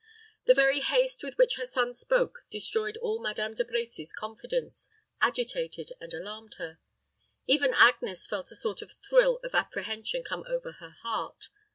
The very haste with which her son spoke destroyed all Madame De Brecy's confidence, agitated and alarmed her. Even Agnes felt a sort of thrill of apprehension come over her heart.